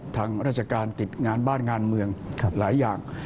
ทางราชการติดงานบ้านงานเมืองหลายอย่าง